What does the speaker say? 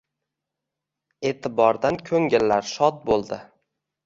E’tibordan ko‘ngillar shod bo‘ldi